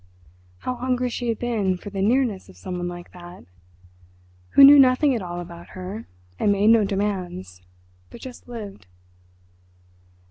How hungry she had been for the nearness of someone like that—who knew nothing at all about her—and made no demands—but just lived.